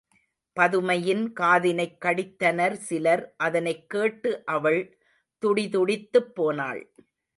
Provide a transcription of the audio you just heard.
பதுமையின் காதினைக் கடித்தனர் சிலர் அதனைக் கேட்டு அவள் துடிதுடித்துப் போனாள்.